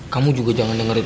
kamu juga jangan dengerin